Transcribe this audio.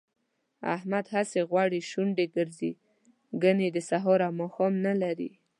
احمد هسې غوړې شونډې ګرځي، ګني د سهار او ماښام نه لري